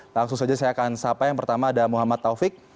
langsung saja saya akan sapa yang pertama ada muhammad taufik